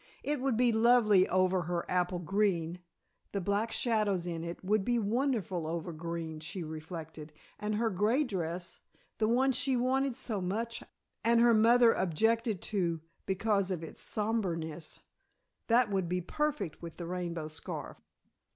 It would be lovely over her apple green the black shadows in it would be wonderful over green, she reflected, and her gray dress the one she wanted so much and her mother objected to because of its somberness that would be perfect with the rainbow scarf.